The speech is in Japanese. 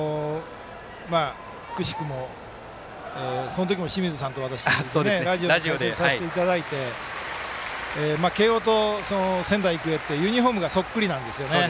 くしくもその時も清水さんと、私でラジオで解説をさせていただいて慶応と仙台育英ってユニフォームがそっくりなんですよね。